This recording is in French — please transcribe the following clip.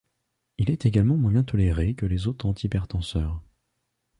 Il est également moins bien toléré que les autres antihypertenseurs.